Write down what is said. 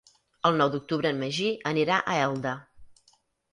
El nou d'octubre en Magí anirà a Elda.